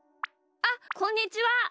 あっこんにちは。